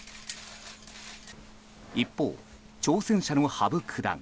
一方、挑戦者の羽生九段。